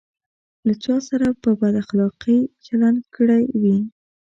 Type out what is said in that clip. له چا سره په بد اخلاقي چلند کړی وي.